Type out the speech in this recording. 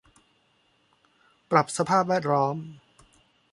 ปรับสภาพแวดล้อม